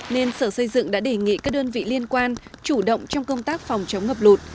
nên sở xây dựng đã đề nghị các đơn vị liên quan chủ động trong công tác phòng chống ngập lụt